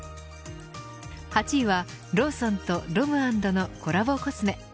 ８位はローソンとｒｏｍ＆ｎｄのコラボコスメ。